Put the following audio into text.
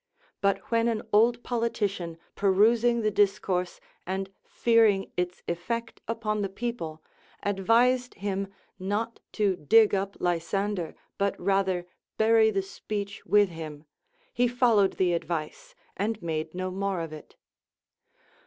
But \vhen an old politician, perusing the discourse and fearing its effect upon the people, advised him not to dig up Lysander but rather bury the speech Avith him, he followed the advice, and made no more of it.